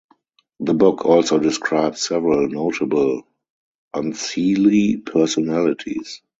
The book also describes several notable Unseelie personalities.